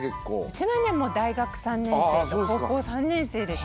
うちはねもう大学３年生と高校３年生です。